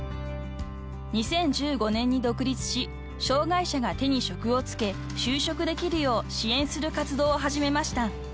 ［２０１５年に独立し障害者が手に職を付け就職できるよう支援する活動を始めました］